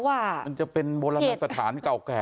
มันจะเป็นโบราณสถานเก่าแก่